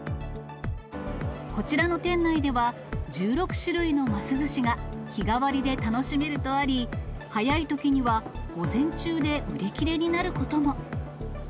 こちらの店内では１６種類のますずしが日替わりで楽しめるとあり、早いときには午前中で売り切れになることも。